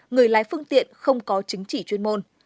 người lái phương tiện không có chính trị chuyên môn